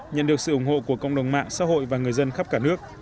nhận được sự ủng hộ của cộng đồng mạng xã hội và người dân khắp cả nước